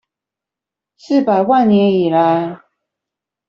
四百萬年以來